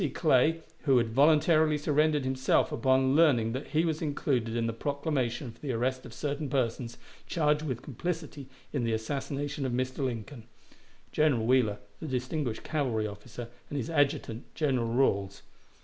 Clay, who had voluntarily surrendered himself upon learning that he was included in the proclamation for the arrest of certain persons charged with complicity in the assassination of Mr. Lincoln; General Wheeler, the distinguished cavalry officer, and his adjutant, General Ralls.